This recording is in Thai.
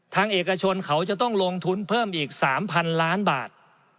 เอกชนเขาจะต้องลงทุนเพิ่มอีก๓๐๐๐ล้านบาท